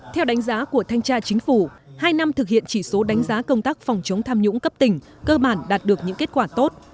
theo đánh giá của thanh tra chính phủ hai năm thực hiện chỉ số đánh giá công tác phòng chống tham nhũng cấp tỉnh cơ bản đạt được những kết quả tốt